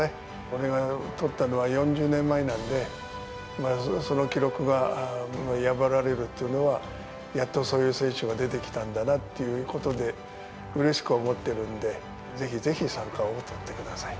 俺が取ったのは４０年前なんで、まずその記録が破られるというのは、やっとそういう選手が出てきたんだなということで、うれしく思ってるんで、ぜひぜひ三冠王取ってください。